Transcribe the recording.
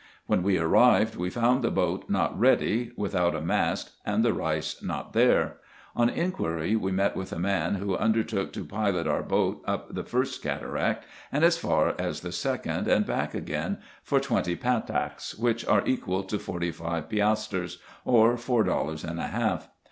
When we arrived, we found the boat not ready, without a mast, and the Reis not there. On inquiry we met with a man, who undertook to pilot our bark up the first cataract, and as far as the second, and back again, for twenty pataks, which are equal to forty five piastres, or four dollars and a half.